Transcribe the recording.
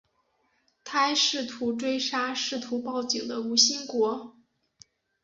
他还试图追杀试图报警的吴新国。